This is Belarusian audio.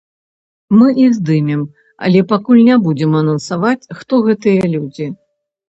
Мы іх здымем, але пакуль не будзем анансаваць, хто гэтыя людзі.